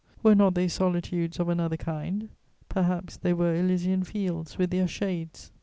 Were not they solitudes of another kind? Perhaps they were Elysian fields with their shades.